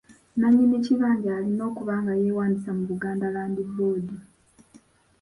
Nnannyini kibanja alina okuba nga yeewandiisa mu Buganda Land Board.